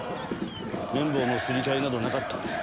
綿棒のすり替えなどなかった。